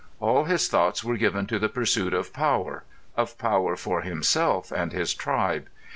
All his thoughts were given to the pursuit of power—of power for himself and his tribe.